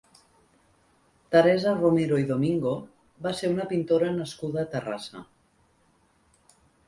Teresa Romero i Domingo va ser una pintora nascuda a Terrassa.